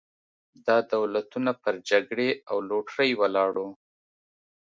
دا دولتونه پر جګړې او لوټرۍ ولاړ وو.